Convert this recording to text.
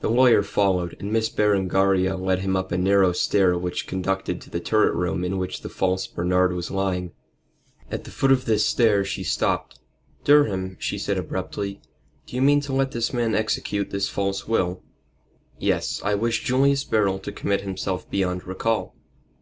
The lawyer followed, and Miss Berengaria led him up a narrow stair which conducted to the turret room in which the false Bernard was lying. At the foot of this stair she stopped. "Durham," she said abruptly, "do you mean to let this man execute this false will?" "Yes. I wish Julius Beryl to commit himself beyond recall."